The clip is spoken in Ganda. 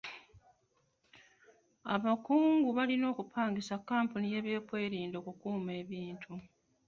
Abakungu balina okupangisa kkampuni y'ebyokwerinda okukuuma ebintu.